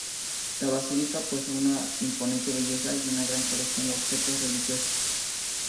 La Basílica posee una imponente belleza y una gran colección de objetos religiosos.